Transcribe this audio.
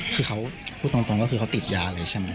คือเขาพูดตรงก็คือเขาติดยาเลยใช่ไหม